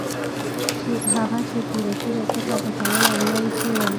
هغه چې تورکي راڅخه پټول او يا يې څيرل.